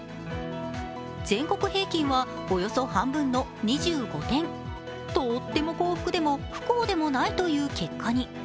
全国平均はおよそ半分の２５年、とっても幸福でも不幸でもないという結果に。